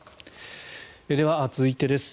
では、続いてです。